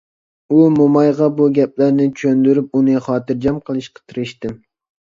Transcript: ئۇ مومايغا بۇ گەپلەرنى چۈشەندۈرۈپ ئۇنى خاتىرجەم قىلىشقا تىرىشتىم.